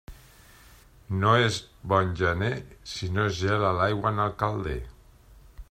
No és bon gener si no es gela l'aigua en el calder.